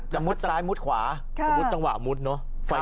จะมุดซ้ายมุดขวาค่ะมุดตั้งหวะมุดเนอะครับ